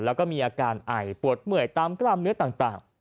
แล้วก็มีอาการไอปวดเมื่อยตามกล้ามเนื้อต่าง